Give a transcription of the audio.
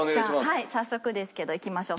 早速ですけどいきましょう。